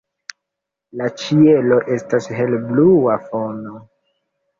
La ĉielo estas helblua fono.